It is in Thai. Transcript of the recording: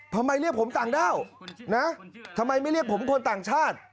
ทำไมเรียกผมต่างด้าวนะทำไมไม่เรียกผมคนต่างชาติ